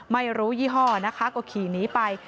ไม่รู้ยี่ห้อนะคะก็ขี่หนีไป